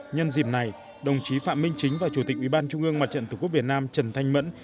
nhân dịp này đồng chí phạm minh chính và chủ tịch ủy ban trung ương mặt trận tổ quốc việt nam trần thanh mẫn